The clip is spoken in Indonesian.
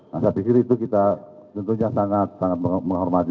saya pikir itu kita tentunya sangat menghormati